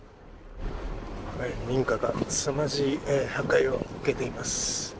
民家がすさまじい破壊を受けています。